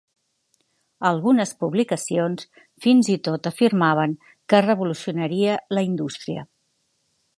Algunes publicacions fins i tot afirmaven que revolucionaria la indústria.